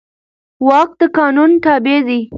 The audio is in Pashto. واک د قانون تابع دی.